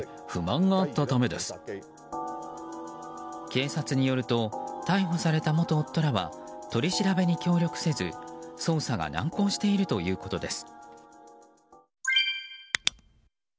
警察によると逮捕された元夫らは取り調べに協力せず捜査が難航しているということです。